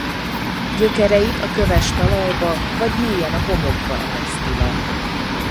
Gyökereit a köves talajba vagy mélyen a homokba ereszti le.